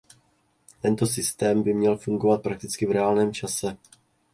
Tento systém by měl fungovat praktcky v reálném čase.